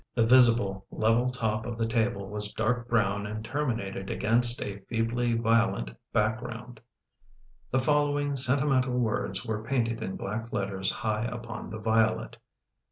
The visible, level top of the table was dark brown and terminated against a feebly violet background. The following sentimental words were painted in black letters high upon the violet.